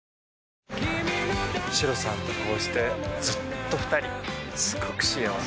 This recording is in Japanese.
シロさんとこうしてずっと２人すごく幸せ。